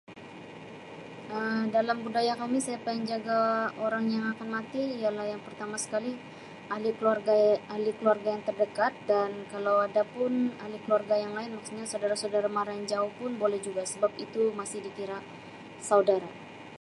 Um Dalam budaya kami siapa yang jaga orang yang akan mati ialah yang pertama sekali ahli keluarga ahli keluarga yang terdekat dan kalau ada pun ahli keluarga yang lain maksudnya saudara saudara-mara yang jauh pun boleh juga sebab itu masih dikira saudara.